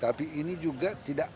tapi ini juga tidak